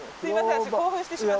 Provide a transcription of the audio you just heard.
私興奮してしまって。